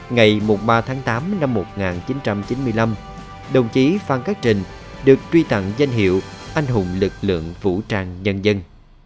ngày ba tháng tám năm một nghìn chín trăm chín mươi năm đồng chí phan cát trình được truy tặng danh hiệu anh hùng lực lượng vũ trang nhân dân